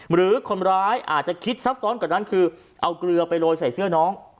หรือคนร้ายอาจจะคิดซับซ้อนกว่านั้นคือเอาเกลือไปโรยใส่เสื้อน้อง